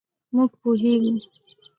مونږ پوهیږو